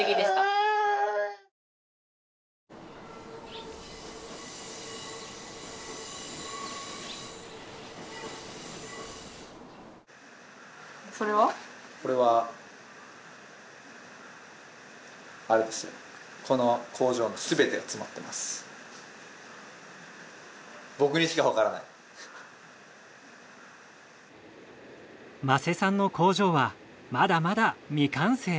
間瀬さんの工場はまだまだ未完成。